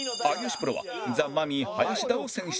プロはザ・マミィ林田を選出